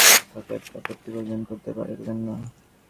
কিন্তু পাশেই তৃতীয় লোকটি বসে থাকায় একটা আপত্তি পর্যন্ত করতে পারলেন না।